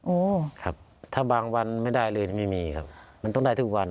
โอ้ครับถ้าบางวันไม่ได้เลยไม่มีครับมันต้องได้ทุกวัน